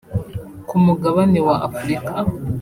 Ku mugabane wa Afurika